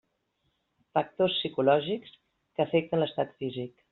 Factors psicològics que afecten l'estat físic.